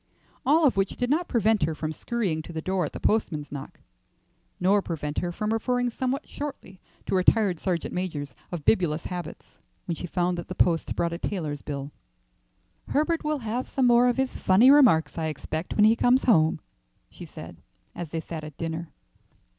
All of which did not prevent her from scurrying to the door at the postman's knock, nor prevent her from referring somewhat shortly to retired sergeant majors of bibulous habits when she found that the post brought a tailor's bill. "Herbert will have some more of his funny remarks, I expect, when he comes home," she said, as they sat at dinner.